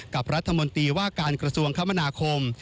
กับรัฐมนตรีว่าการกระทรวงคมนาคม